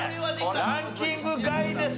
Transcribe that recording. ランキング外です。